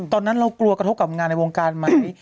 ตอนนั้นเรากลัวกระทบกับงานในวงการไหม